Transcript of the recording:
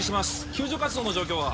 救助活動の状況は？